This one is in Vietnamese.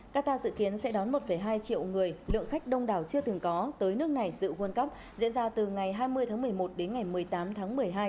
qatar dự kiến sẽ đón một hai triệu người lượng khách đông đảo chưa từng có tới nước này dự world cup diễn ra từ ngày hai mươi tháng một mươi một đến ngày một mươi tám tháng một mươi hai